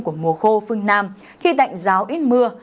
của mùa khô phương nam khi đạnh ráo ít mưa